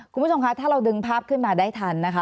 คุณผู้ชมคะถ้าเราดึงภาพขึ้นมาได้ทันนะคะ